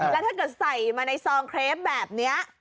แล้วถ้าเกิดใส่มาในซองเครปแบบนี้